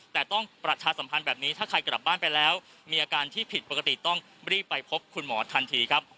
แต่ต้องประชาสัมพันธ์แบบนี้ถ้าใครกลับบ้านไปแล้วมีอาการที่ผิดปกติต้องรีบไปพบคุณหมอทันทีครับ